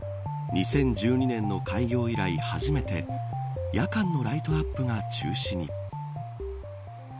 ２０１２年の開業以来初めて夜間のライトアップが中止に。